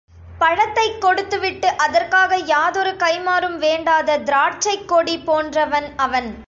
பழத்தைக் கொடுத்துவிட்டு அதற்காக யாதொரு கைம்மாறும் வேண்டாத திராட்சைக் கொடி போன்றவன் அவன்.